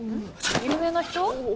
有名な人？